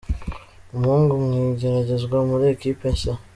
Umuhungu mu igeragezwa muri ekipe shya